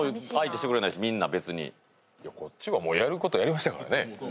こっちはやることやりましたからね。